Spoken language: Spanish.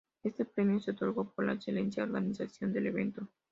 Este premio se otorgó por la excelente organización del evento.